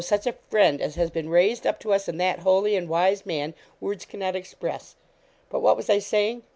such a friend as has been raised up to us in that holy and wise man, words cannot express; but what was I saying?